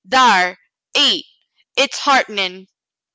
"Thar ! Eat. Hit's heart 'nin'."